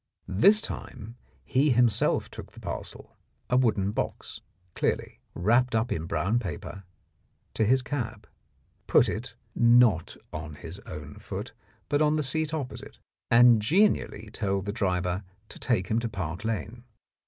This time he himself took the parcel, a wooden box, clearly, wrapped up in brown paper, to his cab, put it, not on his own foot, but on the seat opposite, and genially told the driver to take him to Park Lane.